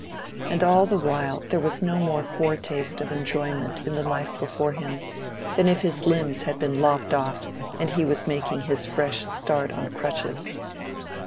And all the while there was no more foretaste of enjoyment in the life before him than if his limbs had been lopped off and he was making his fresh start on crutches.